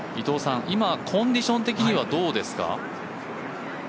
今、コンディション的にはどうですか？